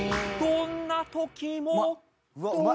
「どんなときも」